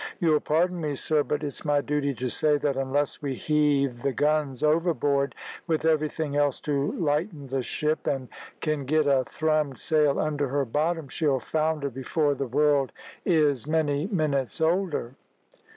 "You'll pardon me, sir, but it's my duty to say that unless we heave the guns overboard, with everything else to lighten the ship, and can get a thrummed sail under her bottom, she'll founder before the world is many minutes older."